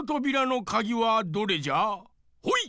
ほい！